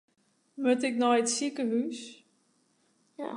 Moat ik nei it sikehûs?